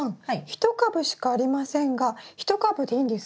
１株しかありませんが１株でいいんですか？